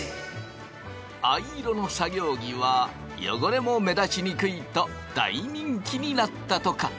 藍色の作業着は汚れも目立ちにくいと大人気になったとか。